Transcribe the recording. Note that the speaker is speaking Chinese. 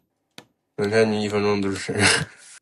能看的进去一分钟就是神人